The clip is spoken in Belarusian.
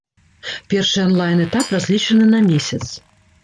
Першы анлайн-этап разлічаны на месяц.